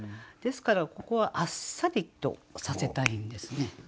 ですからここはあっさりとさせたいんですね。